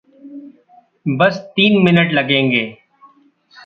बस तीन मिनट लगेंगे।